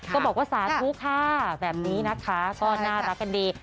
บอกว่าสาธุค่ะแบบนี้นะคะก็น่ารักกันดี